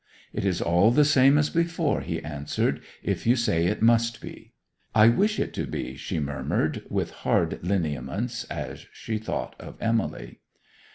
'It is all the same as before,' he answered, 'if you say it must be.' 'I wish it to be,' she murmured, with hard lineaments, as she thought of Emily.